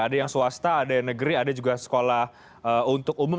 ada yang swasta ada yang negeri ada juga sekolah untuk umum